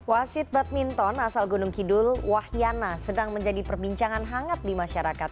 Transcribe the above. wasit badminton asal gunung kidul wahyana sedang menjadi perbincangan hangat di masyarakat